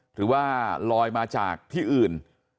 หรือว่าลอยมาจากที่อื่น